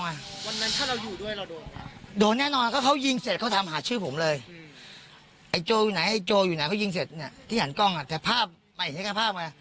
วันนั้นถ้าเราอยู่ด้วยเราโดนไหม